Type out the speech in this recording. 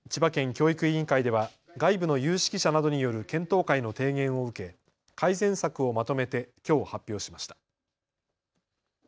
教育委員会では外部の有識者などによる検討会の提言を受け改善策をまとめてきょう発表しました。